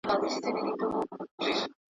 ویل ژر سه مُلا پورته سه کښتۍ ته.